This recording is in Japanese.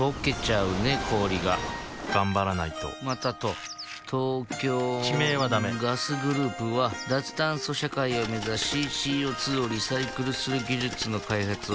氷が頑張らないとまたと東京地名はダメガスグループは脱炭素社会を目指しＣＯ２をリサイクルする技術の開発をしています